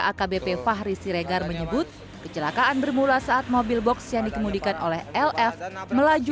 akbp fahri siregar menyebut kecelakaan bermula saat mobil box yang dikemudikan oleh lf melaju